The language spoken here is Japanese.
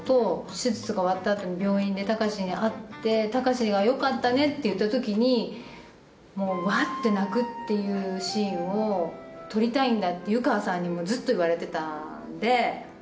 手術が終わった後に病院で高志に会って高志が「よかったね」って言った時にもうわぁ！って泣くっていうシーンを撮りたいんだって遊川さんにもずっと言われてたんで。